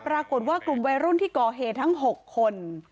ปรากฏว่ากลุ่มวัยรุ่นที่ก่อเหตุทั้ง๖คน